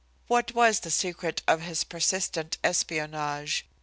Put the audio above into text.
What was the secret of his persistent espionage?